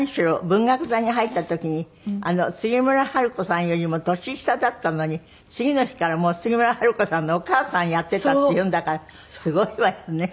文学座に入った時に杉村春子さんよりも年下だったのに次の日からもう杉村春子さんのお母さんやってたっていうんだからすごいわよね。